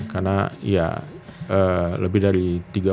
karena ya lebih dari tiga puluh tujuh